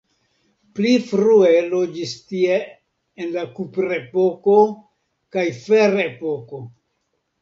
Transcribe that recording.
Pli frue loĝis tie en la kuprepoko kaj ferepoko.